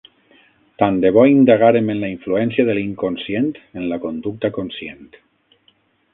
Tant de bo indagàrem en la influència de l'inconscient en la conducta conscient!